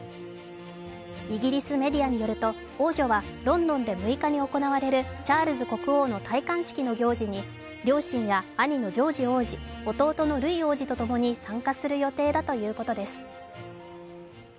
イギリスメディアによると、王女はロンドンで６日に行われるチャールズ国王の戴冠式の行事に両親や兄のジョージ王子、弟のルイ王子とともに参加する予定だということです。